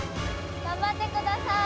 頑張ってください。